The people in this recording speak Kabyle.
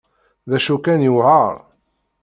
D acu kan, yewɛer.